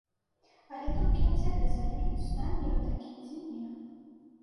Але толькі ад цябе залежыць, стане ён такім ці не.